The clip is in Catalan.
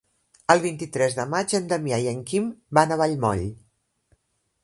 El vint-i-tres de maig en Damià i en Quim van a Vallmoll.